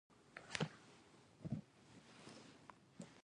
او دا خلک به پلستر د څۀ نه کوي ـ